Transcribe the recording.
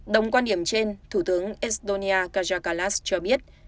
đồng quan điểm trên thủ tướng estonia kazakallas cho biết